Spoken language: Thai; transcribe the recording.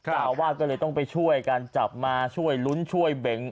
เจ้าอาวาสก็เลยต้องไปช่วยกันจับมาช่วยลุ้นช่วยเบง